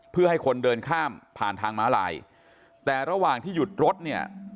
เพื่อให้คนเดินข้ามผ่านทางม้าลายแต่ระหว่างที่หยุดรถเนี่ย